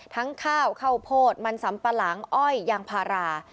ทั้งข้าวเข้าโพธิมันสำปะหลังอ้อยยังภารา